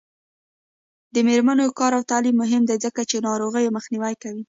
د میرمنو کار او تعلیم مهم دی ځکه چې ناروغیو مخنیوی کوي.